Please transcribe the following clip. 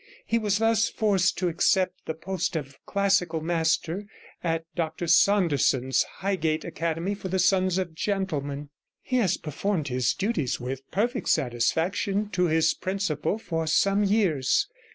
He was thus forced to accept the post of classical master at Dr Saunderson's Highgate Academy for the Sons of Gentlemen, and he has performed his duties with perfect satisfaction to his principal for some years.